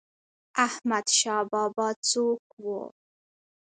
احمد شاه بابا څوک و؟